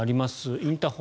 インターホン